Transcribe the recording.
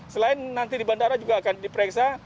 selain nanti di bandara juga akan diperiksa